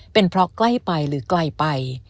เป็นเพราะใกล้ไปหรือไกลไป